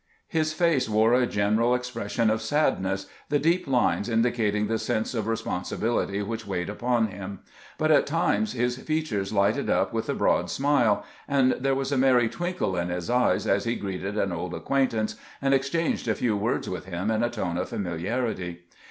His face wore a general expression of sadness, the deep lines indicating the sense of responsibility which weighed upon him ; but at times his features lighted up with a broad smile, and there was a merry twinkle in his eyes as he greeted an old acquaintance and exchanged a few words with htm in a tone of familiarity.